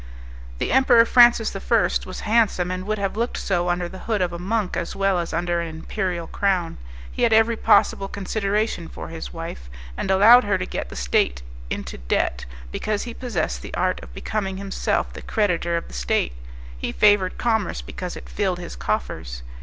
The Emperor Francis I. was, handsome, and would have looked so under the hood of a monk as well as under an imperial crown. He had every possible consideration for his wife, and allowed her to get the state into debt, because he possessed the art of becoming himself the creditor of the state. He favoured commerce because it filled his coffers.